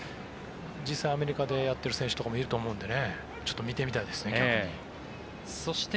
実際、アメリカでやっている選手とかもいると思うので見てみたいですね、逆に。